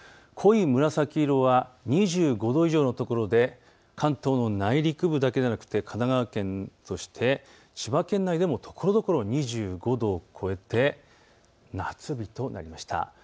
濃い紫色は２５度以上のところで関東の内陸部だけではなくて神奈川県、そして千葉県内でもところどころ２５度を超えて夏日となりました。